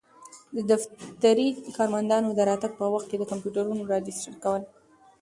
د دفتري کارمندانو د راتګ په وخت کي د کمپیوټرونو راجستر کول.